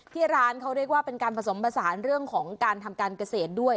ที่ร้านเขาเรียกว่าเป็นการผสมผสานเรื่องของการทำการเกษตรด้วย